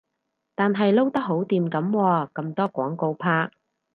但係撈得好掂噉喎，咁多廣告拍